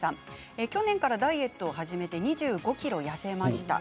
去年からダイエットを始めて２５ｋｇ痩せました。